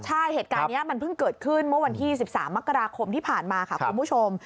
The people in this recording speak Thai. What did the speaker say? ใช่เหตุการณ์นี้มันเพิ่งเกิดขึ้นเมื่อวันที่๑๓มกราคมที่ผ่านมาค่ะคุณผู้ชม